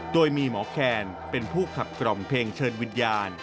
โดยมีหมอแคนเป็นผู้ขับกล่อมเพลงเชิญวิญญาณ